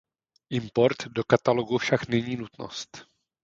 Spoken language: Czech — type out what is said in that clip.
Import do Katalogu však není nutnost.